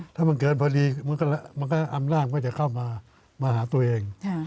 ถ้ามันเกินพอดีมันก็อำนาจก็จะเข้ามาหาตัวเอง